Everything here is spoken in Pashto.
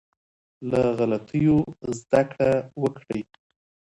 له غلطيو زده کړه وکړئ.